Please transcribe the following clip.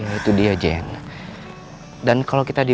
adakah pak baby